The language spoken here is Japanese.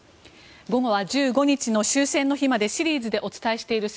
午後は１５日の終戦の日までシリーズでお伝えしています